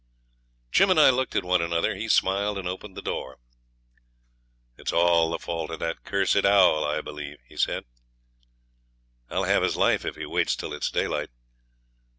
Jim and I looked at one another. He smiled and opened the door. 'It's all the fault of that cursed owl, I believe,' he said; 'I'll have his life if he waits till it's daylight.